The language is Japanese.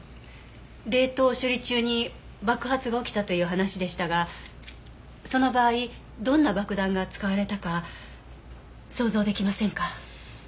冷凍処理中に爆発が起きたという話でしたがその場合どんな爆弾が使われたか想像出来ませんか？